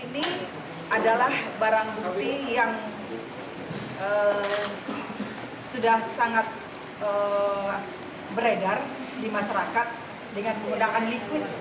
ini adalah barang bukti yang sudah sangat beredar di masyarakat dengan menggunakan liquid